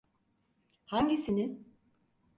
Hangisinin?